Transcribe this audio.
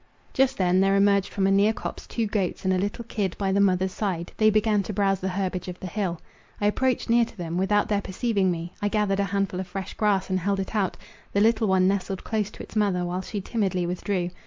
Just then, there emerged from a near copse two goats and a little kid, by the mother's side; they began to browze the herbage of the hill. I approached near to them, without their perceiving me; I gathered a handful of fresh grass, and held it out; the little one nestled close to its mother, while she timidly withdrew.